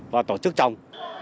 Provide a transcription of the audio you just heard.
và tổ chức trồng